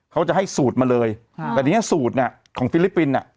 เขาจะให้สูตรมาเลยแต่ทีนี้สูตรเนี่ยของฟิลิปปินส์อ่ะ